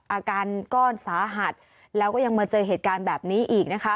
อาการก้อนสาหัสแล้วก็ยังมาเจอเหตุการณ์แบบนี้อีกนะคะ